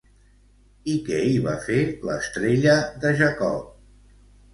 I què hi va fer l'estrella de Jacob?